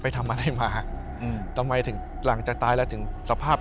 ทำอะไรมาอืมทำไมถึงหลังจากตายแล้วถึงสภาพ